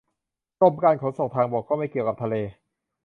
กรมการขนส่งทางบกก็ไม่เกี่ยวกับทะเล